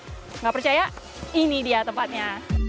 tidak percaya ini dia tempatnya